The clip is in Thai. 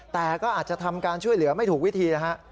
แต่ก็อาจจะทำการช่วยเหลือไม่ถูกวิธีนะฮะ